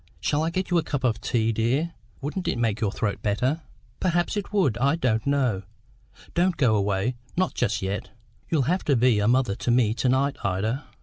Shall I get you a cup of tea, dear? Wouldn't it make your throat better?" "Perhaps it would; I don't know. Don't go away, not just yet. You'll have to be a mother to me to night, Ida.